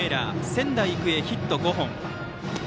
仙台育英、ヒット５本。